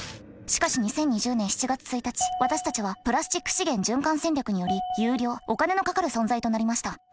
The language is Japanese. しかし２０２０年７月１日私たちはプラスチック資源循環戦略により有料お金のかかる存在となりました。